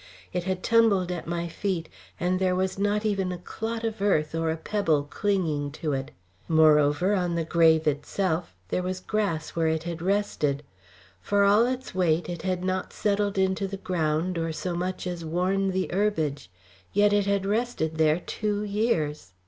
It had tumbled at my feet, and there was not even a clot of earth or a pebble clinging to it. Moreover, on the grave itself there was grass where it had rested. For all its weight, it had not settled into the ground or so much as worn the herbage. Yet it had rested there two years!